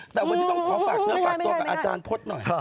แต่วันนี้ต้องฝากตัวกับอาจารย์พดหน่อย